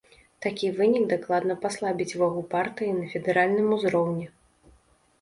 Такі вынік дакладна паслабіць вагу партыі на федэральным узроўні.